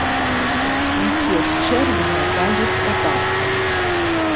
Цвіце з чэрвеня па лістапад.